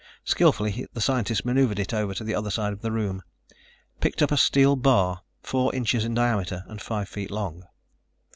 Skillfully the scientist maneuvered it over to the other side of the room, picked up a steel bar four inches in diameter and five feet long.